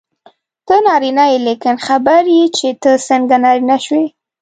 ته نارینه یې لیکن خبر یې چې ته څنګه نارینه شوې.